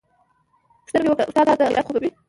پوښتنه مې وکړه استاده خيريت خو به وي.